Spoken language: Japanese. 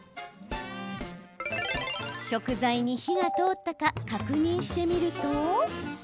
食材に火が通ったか確認してみると。